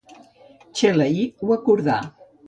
Txelaí ho acordà.